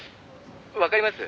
「わかります？